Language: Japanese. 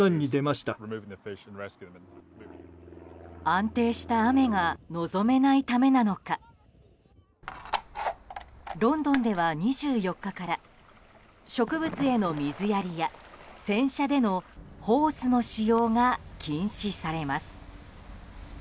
安定した雨が望めないためなのかロンドンでは、２４日から植物への水やりや洗車でのホースの使用が禁止されます。